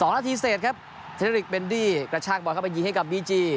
นาทีเสร็จครับเทรริกเบนดี้กระชากบอลเข้าไปยิงให้กับบีจี